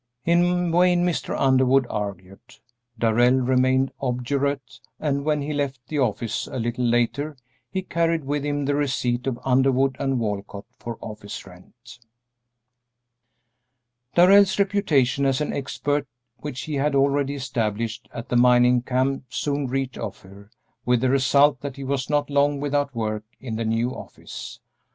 In vain Mr. Underwood argued; Darrell remained obdurate, and when he left the office a little later he carried with him the receipt of Underwood & Walcott for office rent. Darrell's reputation as an expert which he had already established at the mining camp soon reached Ophir, with the result that he was not long without work in the new office.